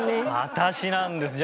私なんです。